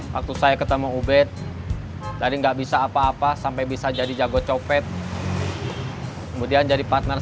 waktu saya ketemu ubed jadi nggak bisa apa apa sampai bisa jadi jago copet kemudian jadi partner